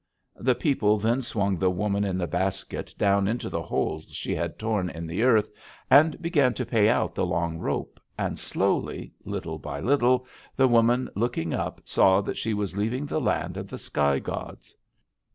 "The people then swung the woman in the basket down into the hole she had torn in the earth, and began to pay out the long rope, and slowly, little by little, the woman, looking up, saw that she was leaving the land of the sky gods.